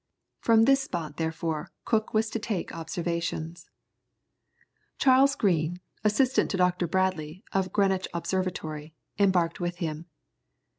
From this spot therefore Cook was to take observations. Charles Green, assistant to Dr. Bradley, of Greenwich Observatory, embarked with him.